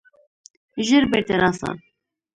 ژر بیرته راسه!